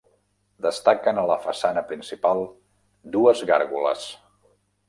Destaquen a la façana principal dues gàrgoles.